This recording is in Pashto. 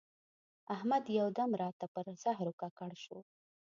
احمد یو دم راته پر زهرو ککړ شو.